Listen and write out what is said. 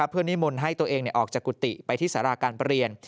เพื่อนิมนต์ให้ตัวเองออกจากกุฏิไปที่สาราการประเรียน